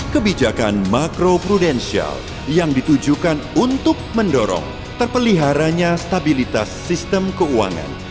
kebijakan makro prudensial yang ditujukan untuk mendorong terpeliharanya stabilitas sistem keuangan